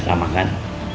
sudah sama kan